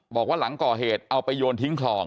บอกว่าหลังก่อเหตุเอาไปโยนทิ้งคลอง